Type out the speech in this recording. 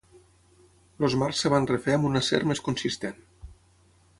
Els marcs es van refer amb un acer més consistent.